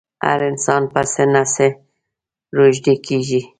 هر انسان په څه نه څه روږدی کېږي.